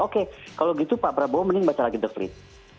oke kalau gitu pak prabowo mending baca lagi the frit